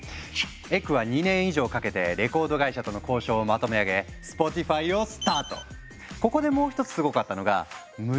エクは２年以上かけてレコード会社との交渉をまとめ上げ「スポティファイ」をスタート！